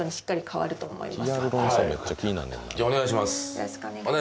よろしくお願いします。